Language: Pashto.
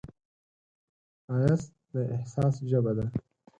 ښایست د احساس ژبه ده